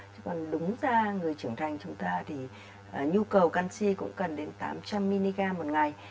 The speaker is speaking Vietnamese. chứ còn đúng ra người trưởng thành chúng ta thì nhu cầu canxi cũng cần đến tám trăm linh mg một ngày